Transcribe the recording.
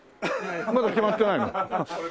まだ決まってないの？